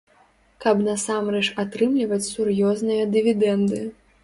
Каб насамрэч атрымліваць сур'ёзныя дывідэнды.